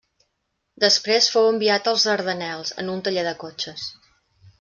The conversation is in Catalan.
Després fou enviat als Dardanels en un taller de cotxes.